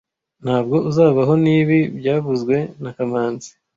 Ntabwo uzavaho nibi byavuzwe na kamanzi